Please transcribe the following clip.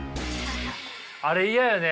あれ嫌やね。